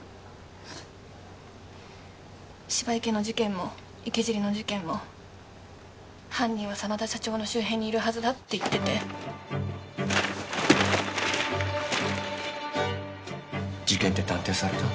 芝池の事件も池尻の事件も犯人は真田社長の周辺にいるはずだって言ってて事件って断定された？